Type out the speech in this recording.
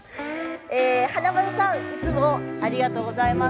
華丸さん、いつもありがとうございます。